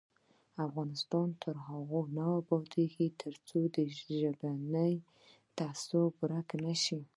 افغانستان تر هغو نه ابادیږي، ترڅو ژبنی تعصب ورک نشي.